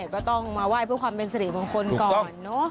ก็ต้องมาไหว้เพื่อความเป็นสิริมงคลก่อนเนอะ